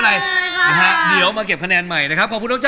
กลายเป็นคิดไม่ถึง